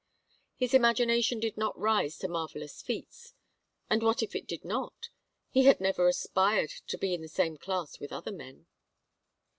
His imagination did not rise to marvellous feats and what if it did not? He had never aspired to be in the same class with other men.